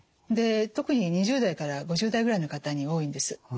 で特に２０代から５０代ぐらいの方に多いんです。